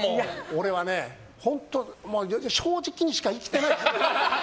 俺はね、正直にしか生きてない。